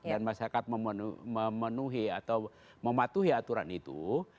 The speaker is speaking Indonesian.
dan masyarakat memenuhi atau mematuhi aturan itu